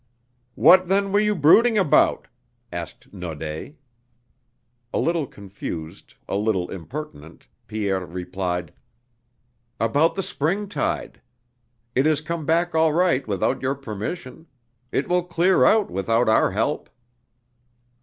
"What, then, were you brooding about?" asked Naudé. A little confused, a little impertinent, Pierre replied: "About the springtide. It has come back all right without your permission. It will clear out without our help."